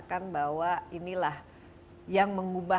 dan apa yang chyba